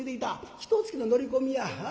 ひとつきの乗り込みや。